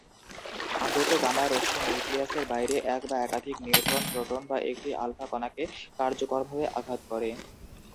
আগত গামা রশ্মি, নিউক্লিয়াসের বাইরে এক বা একাধিক নিউট্রন, প্রোটন বা একটি আলফা কণাকে কার্যকরভাবে আঘাত করে।